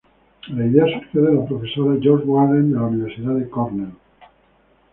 La idea surgió de la profesora George Warren de la Universidad de Cornell.